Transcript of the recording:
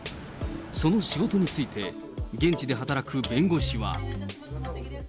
その仕事について、現地で働く弁護士は。